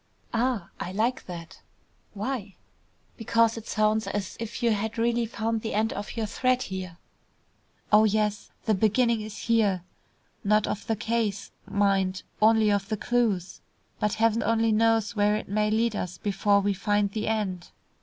"Ah! I like that." "Why?" "Because it sounds as if you had really found the end of your thread here." "Oh, yes. The beginning is here. Not of the case, mind; only of the clues. But heaven only knows where it may lead us before we find the end."